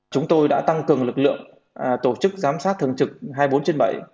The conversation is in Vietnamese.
chúng tôi đã tăng cường lực lượng tổ chức giám sát thường trực hai mươi bốn trên bảy